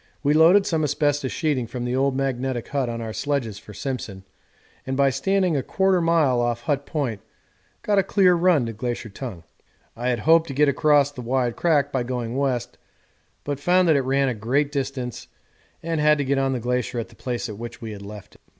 We loaded some asbestos sheeting from the old magnetic hut on our sledges for Simpson, and by standing 1/4 mile off Hut Point got a clear run to Glacier Tongue. I had hoped to get across the wide crack by going west, but found that it ran for a great distance and had to get on the glacier at the place at which we had left it.